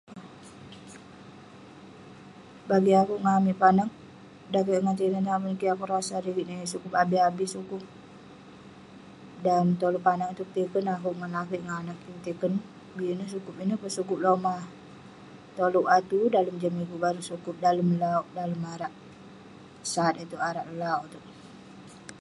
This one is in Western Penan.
Bagik akouk ngan amik panag, dan kik ngan tinen tamen kik, akouk rasa rigit ineh yeng sukup. [unintelligible] Dan amtolouk panag itouk petiken, akouk ngan lakeik ngan anag kik petiken, bik ineh sukup. Ineh peh sukup lomah- tolouk atu dalem jah migu baruk sukup. Dalem lauk, dalem arak sat itouk, arak lauk itouk.